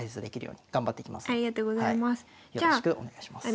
よろしくお願いします。